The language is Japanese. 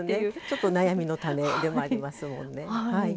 ちょっと悩みの種でもありますもんね。